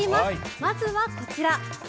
まずはこちら。